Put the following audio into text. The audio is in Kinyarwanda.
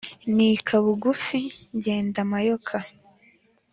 nika bugufi ngenda mayoka.